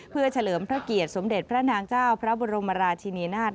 เพื่อเฉลิมพระเกียรติสมเด็จพระนางเจ้าพระบรมราชินีนาฏ